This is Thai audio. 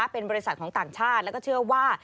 เป็นบริษัทของต่างชาติแล้วก็เชื่อว่า